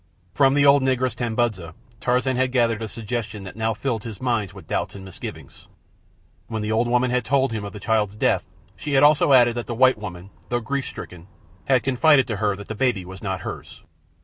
From the old negress, Tambudza, Tarzan had gathered a suggestion that now filled his mind with doubts and misgivings. When the old woman had told him of the child's death she had also added that the white woman, though grief stricken, had confided to her that the baby was not hers.